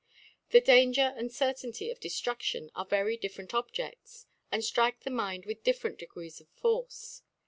The Danger and Certainty of Deftruftioti are very different Objedts, and ftrike the Mind with different Degrees of Force.